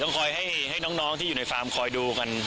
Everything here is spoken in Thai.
คอยให้น้องที่อยู่ในฟาร์มคอยดูกัน